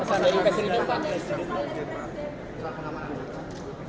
pasar universitas pak